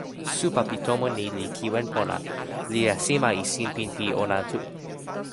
supa pi tomo ni li kiwen pona, li jasima e sinpin pi ona tu.